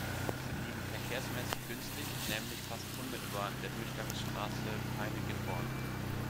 Sie liegen verkehrsmäßig günstig, nämlich fast unmittelbar an der Durchgangsstraße Peine–Gifhorn.